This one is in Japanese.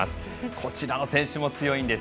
こちらの選手も強いんです。